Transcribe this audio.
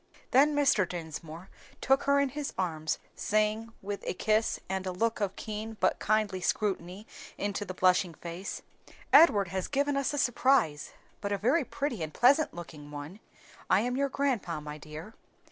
Then Mr. Dinsmore took her in his arms, saying, with a kiss and a look of keen but kindly scrutiny into the blushing face, "Edward has given us a surprise, but a very pretty and pleasant looking one. I am your grandpa, my dear."